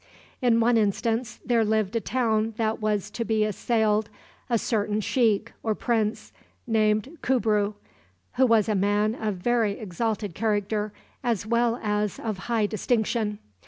In one instance there lived in a town that was to be assailed a certain sheikh, or prince, named Kubru, who was a man of very exalted character, as well as of high distinction.